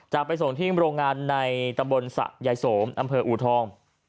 จะไปส่งที่โรงงานในตำบลสะยายโสมอำเภออูทอง